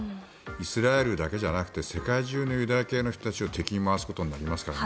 イスラエルだけじゃなくて世界中のユダヤ系の人を敵に回すことになりますから。